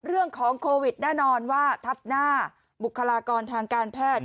เรื่องของโควิดแน่นอนว่าทับหน้าบุคลากรทางการแพทย์